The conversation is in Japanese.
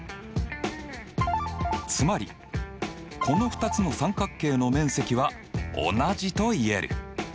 つまりこの２つの三角形の面積は同じといえる。